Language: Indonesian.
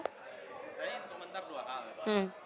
saya komentar dua hal